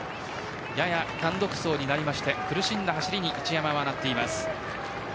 やや単独走になって苦しんだ走りになっています。